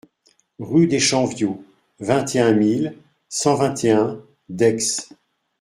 Rue des Champs Viaux, vingt et un mille cent vingt et un Daix